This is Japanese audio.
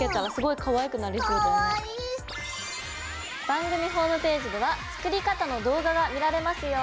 番組ホームページでは作り方の動画が見られますよ。